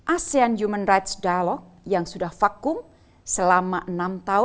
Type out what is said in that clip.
asean human rights dialog yang sudah vakum selama enam tahun